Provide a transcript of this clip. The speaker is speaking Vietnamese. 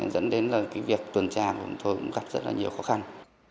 dẫn đến việc tuần tra của chúng tôi cũng gặp rất nhiều khó khăn